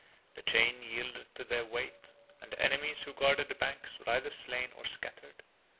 The chain yielded to their weight, and the enemies who guarded the banks were either slain or scattered.